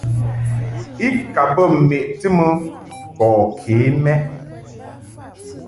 I ka bə meʼti mɨ bɔ ke mɛʼ.